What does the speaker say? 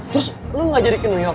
terus lo ngajar ikin new york